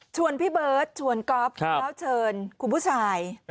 พี่เบิร์ตชวนก๊อฟแล้วเชิญคุณผู้ชาย